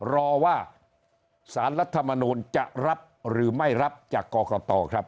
รอว่าสารรัฐมนูลจะรับหรือไม่รับจากกรกตครับ